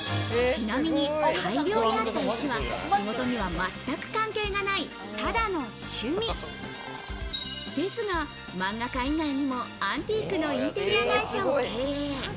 ちなみに大量にあった石は、仕事には全く関係がない、ただの趣味。ですが、真ん中以外にもアンティークのインテリア会社を経営。